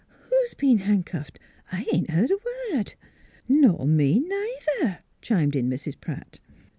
" Who's been han'cuffed? I ain't heard a word." " Nor me, neither," chimed in Mrs. Pratt. Mrs.